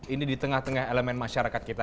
ini di tengah tengah elemen masyarakat kita